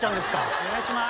お願いします。